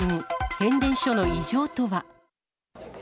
変電所の異常とは？